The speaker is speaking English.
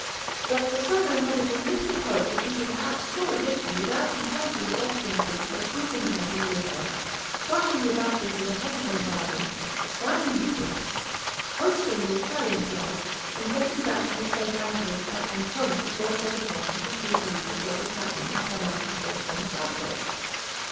But Persano had a delusive hope that he could perhaps score a victory without encountering the Austrian fleet by swooping down on Lissa, crushing the batteries with a heavy bombardment, landing the troops, hoisting the Italian flag, and getting back to his safe anchorage at Ancona before Tegethoff could receive news of what was happening, and come out and force on a battle.